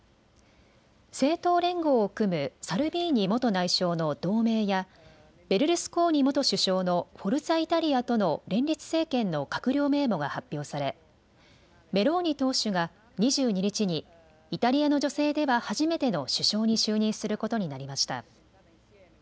政党連合を組むサルビーニ元内相の同盟やベルルスコーニ元首相のフォルツァ・イタリアとの連立政権の閣僚名簿が発表され、メローニ党首が２２日にイタリアの女性では初めての首相に就任することになりました。